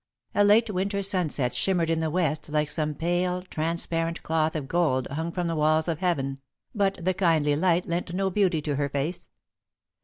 A late Winter sunset shimmered in the west like some pale, transparent cloth of gold hung from the walls of heaven, but the kindly light lent no beauty to her face.